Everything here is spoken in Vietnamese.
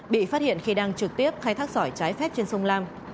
bị phát hiện khi đang trực tiếp khai thác sỏi trái phép trên sông lam